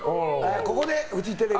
ここでフジテレビ。